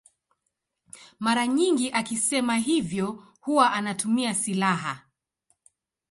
Mara nyingi akisema hivyo huwa anatumia silaha.